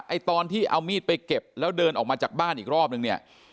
ตอนที่เอามีดไปเก็บแล้วเดินออกมาจากบ้านอีกรอบนึงเนี่ย